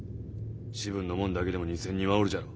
士分の者だけでも２，０００人はおるじゃろ。